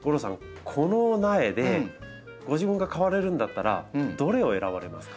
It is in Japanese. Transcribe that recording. この苗でご自分が買われるんだったらどれを選ばれますか？